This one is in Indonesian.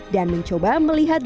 dan mencoba melihat